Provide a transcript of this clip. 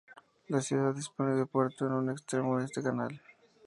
La ciudad dispone de puerto en un extremo de este canal.